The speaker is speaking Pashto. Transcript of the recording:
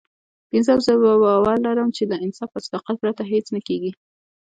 پينځم زه باور لرم چې له انصاف او صداقت پرته هېڅ نه کېږي.